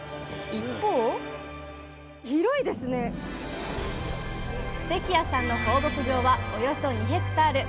一方関谷さんの放牧場はおよそ２ヘクタール。